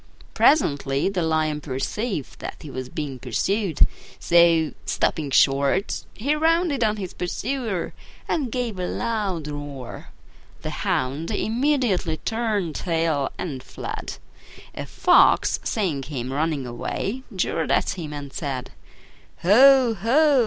Presently the lion perceived that he was being pursued; so, stopping short, he rounded on his pursuer and gave a loud roar. The Hound immediately turned tail and fled. A Fox, seeing him running away, jeered at him and said, "Ho! ho!